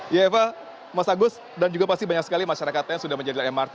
iya eva mas agus dan juga pasti banyak sekali masyarakatnya yang sudah menjajal mrt